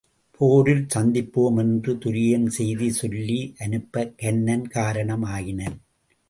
போரில் சந்திப்போம் என்று துரியன் செய்தி சொல்லி அனுப்பக் கன்னன் காரணன் ஆயினான்.